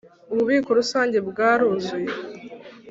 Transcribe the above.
Ububiko rusange bwaruzuye.